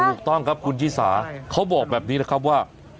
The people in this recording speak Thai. ถูกต้องครับคุณชิสาเขาบอกแบบนี้นะครับว่า